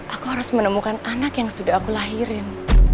aku harus menemukan anak yang sudah aku lahirin